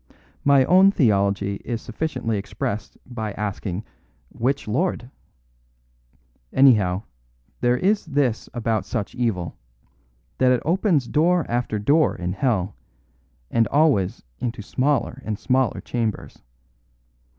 My own theology is sufficiently expressed by asking which Lord? Anyhow, there is this about such evil, that it opens door after door in hell, and always into smaller and smaller chambers.